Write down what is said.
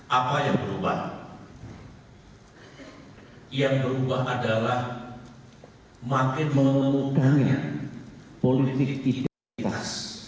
apa yang berubah yang berubah adalah makin mengundangnya politik identitas